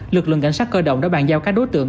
lực lượng cảnh sát cơ động đã bàn giao các đối tượng